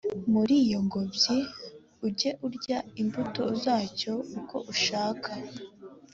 muri iyo ngobyi ujye urya imbuto zacyo uko ushaka